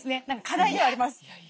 課題ではあります。